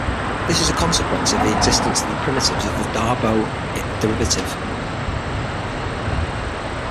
This is a consequence of the existence of primitives of the Darboux derivative.